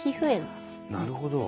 なるほど。